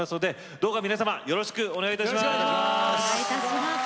どうか皆様よろしくお願いいたします。